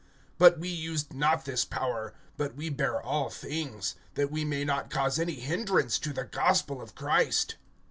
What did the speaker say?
But we used not this power; but we bear all things, that we may not cause any hindrance to the gospel of Christ.